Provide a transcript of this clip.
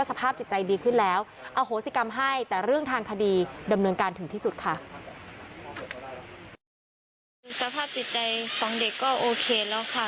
สภาพจิตใจของเด็กก็โอเคแล้วค่ะ